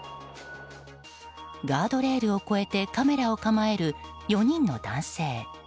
ガードレールを越えてカメラを構える４人の男性。